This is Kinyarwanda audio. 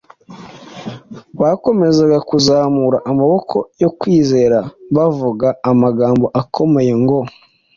Bakomezaga kuzamura amaboko yo kwizera, bavuga amagambo akomeye ngo: